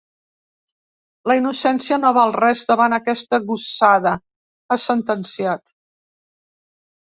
La innocència no val res davant aquesta gossada, ha sentenciat.